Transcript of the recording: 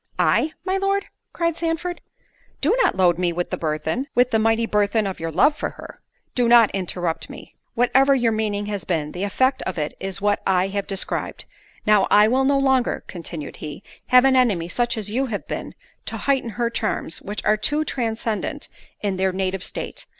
"I, my Lord?" cried Sandford; "do not load me with the burthen—with the mighty burthen of your love for her." "Do not interrupt me. Whatever your meaning has been, the effect of it is what I have described. Now, I will no longer," continued he, "have an enemy, such as you have been, to heighten her charms, which are too transcendent in their native state.